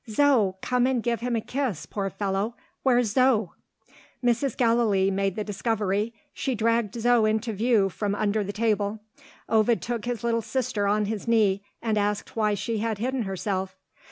Zo! come and give him a kiss, poor fellow. Where's Zo?" Mrs. Gallilee made the discovery she dragged Zo into view, from under the table. Ovid took his little sister on his knee, and asked why she had hidden herself.